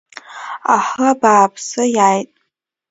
Аҳы, абааԥсы, иааит!